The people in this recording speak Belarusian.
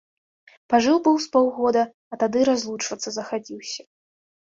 Пажыў быў з паўгода, а тады разлучвацца захадзіўся.